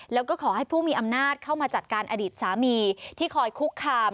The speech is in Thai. แล้วก็ขอให้ผู้มีอำนาจเข้ามาจัดการอดีตสามีที่คอยคุกคาม